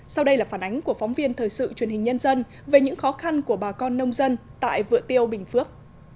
sau đây là phản ánh của phóng viên thời sự truyền hình nhân dân về những khó khăn của bà con nông dân tại vựa tiêu bình phước